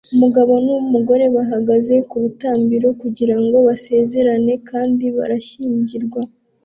Umugabo numugore bahagaze kurutambiro kugirango basezerane kandi barashyingirwa